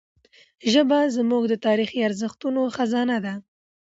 ژبه زموږ د تاریخي ارزښتونو خزانه ده.